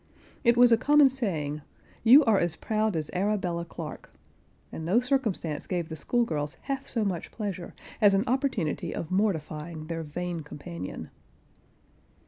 It was a common saying, "You are as proud as Arabella Clarke;" and no circumstance gave the school girls half so much pleasure, as an opportunity of mortifying their vain companion.